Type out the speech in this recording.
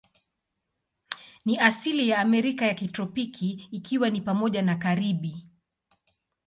Ni asili ya Amerika ya kitropiki, ikiwa ni pamoja na Karibi.